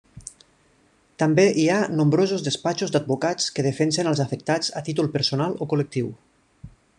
També hi ha nombrosos despatxos d'advocats que defensen als afectats a títol personal o col·lectiu.